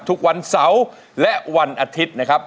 ทุกวันเสาร์และวันอาทิตย์นะครับ